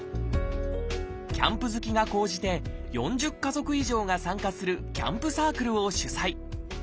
キャンプ好きが高じて４０家族以上が参加するキャンプサークルを主宰。